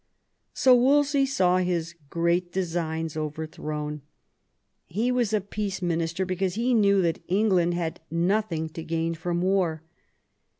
So Wolsey saw his great designs overthrown. He was a peace minister because he knew that England had nothing to gain from war.